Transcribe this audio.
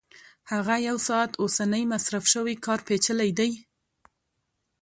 هغه یو ساعت اوسنی مصرف شوی کار پېچلی دی